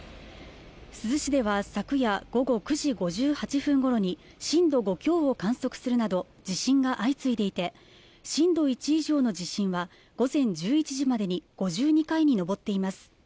珠洲市では昨夜午後９時５８分ごろに震度５強を観測するなど、地震が相次いでいて、震度１以上の地震は午前１１時までに５２回に上っています。